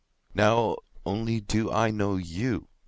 Now only do I know you!